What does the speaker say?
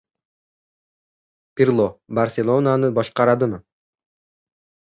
Pirlo "Barselona"ni boshqaradimi?